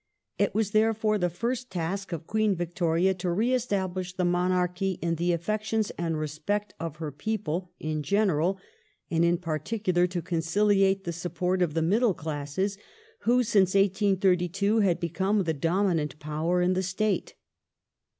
It was, therefore, the first task of Queen Victoria to re establish the monarchy in the affections and respect of her people in general, and in particular to conciliate the support of the middle classes who, since 1832, had become the dominant power in the State.